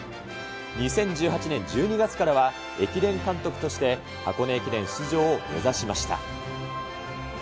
２０１８年１２月からは駅伝監督として、箱根駅伝出場を目指しました。